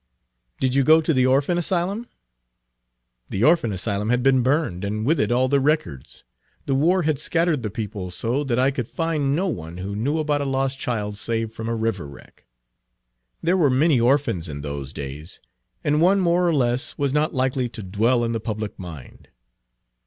"Did you go to the orphan asylum?" "The orphan asylum had been burned and with it all the records. The war had scattered the people so that I could find no one who knew about a lost child saved from a river Page 57 wreck. There were many orphans in those days, and one more or less was not likely to dwell in the public mind."